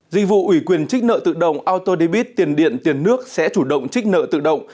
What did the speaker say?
dịch vụ ủy quyền trích nợ tự động autodybit tiền điện tiền nước sẽ chủ động trích nợ tự động